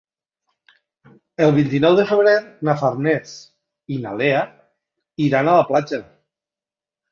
El vint-i-nou de febrer na Farners i na Lea iran a la platja.